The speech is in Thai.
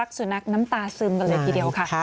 รักสุนัขน้้ำตาซึมอีกเดียว